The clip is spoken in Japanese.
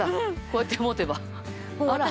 こうやって持てばあら。